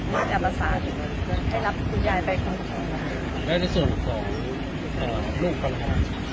มีอะไรประสานให้รับคุณยายได้รู้สึกของลูกบาละวะ